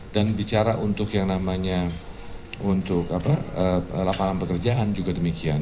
dan bicara untuk yang namanya lapangan pekerjaan juga demikian